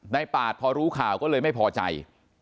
ปาดพอรู้ข่าวก็เลยไม่พอใจ